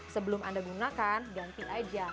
sebelum anda gunakan ganti aja